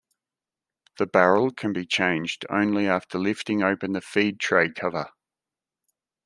The barrel can be changed only after lifting open the feed tray cover.